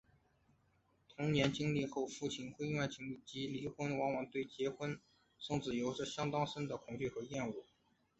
童年经历过父母婚外情及离婚的人往往会对结婚生子有着相当深的恐惧和厌恶。